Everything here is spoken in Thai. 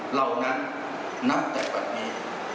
เหล่านั้นนับแต่อย่างนี้